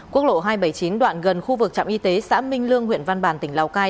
quốc lộ hai trăm bảy mươi chín đoạn gần khu vực trạm y tế xã minh lương huyện văn bàn tỉnh lào cai